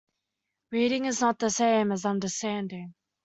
Reading is not the same as understanding.